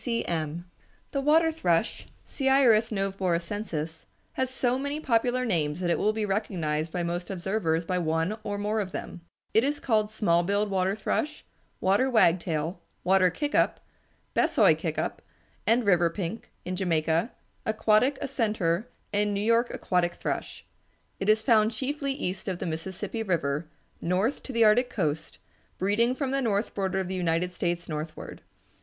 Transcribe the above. C. C. M. The water thrush (Seiurus noveboracensis) has so many popular names that it will be recognized by most observers by one or more of them. It is called small billed water thrush, water wagtail, water kick up, Besoy kick up, and river pink (Jamaica), aquatic accentor, and New York aquatic thrush. It is found chiefly east of the Mississippi River, north to the Arctic coast, breeding from the north border of the United States northward.